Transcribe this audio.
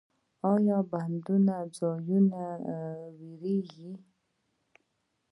ایا له بندو ځایونو ویریږئ؟